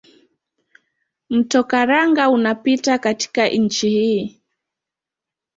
Mto Karanga unapita katika nchi hii.